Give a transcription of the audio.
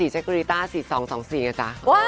๒๔ชักกุริต้า๔๒๒๔นะจ๊ะ